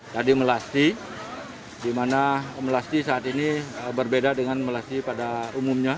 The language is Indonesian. tadi melasti di mana melasti saat ini berbeda dengan melasti pada umumnya